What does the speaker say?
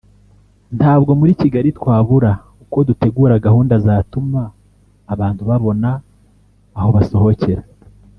ntabwo muri Kigali twabura uko dutegura gahunda zatuma abantu babona aho basohokera